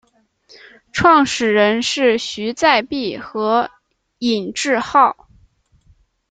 创始人是徐载弼和尹致昊。